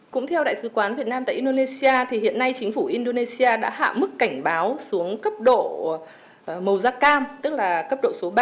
cũng theo đại sứ quán việt nam tại indonesia thì hiện nay chính phủ indonesia đã hạ mức cảnh báo xuống cấp độ màu da cam tức là cấp độ số ba